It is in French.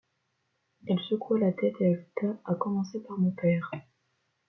Elle secoua la tête et ajouta: — À commencer par mon père.